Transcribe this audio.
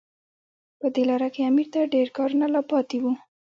په دې لاره کې امیر ته ډېر کارونه لا پاتې وو.